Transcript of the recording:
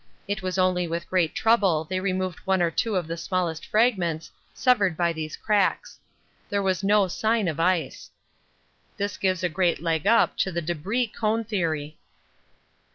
It was only with great trouble they removed one or two of the smallest fragments severed by these cracks. There was no sign of ice. This gives a great 'leg up' to the 'debris' cone theory.